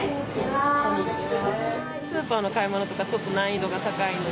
こんにちは。